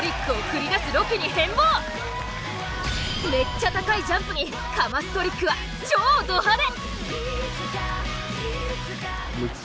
めっちゃ高いジャンプにかますトリックは超ド派手！